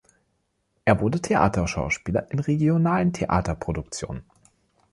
Er wurde Theaterschauspieler in regionalen Theaterproduktionen.